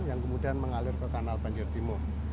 yang kemudian mengalir ke kanal banjir timur